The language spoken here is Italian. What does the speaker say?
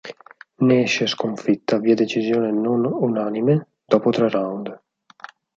Ne esce sconfitta via decisione non unanime dopo tre round.